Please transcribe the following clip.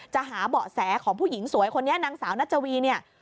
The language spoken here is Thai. หาเบาะแสของผู้หญิงสวยคนนี้นางสาวนัชวีเนี่ย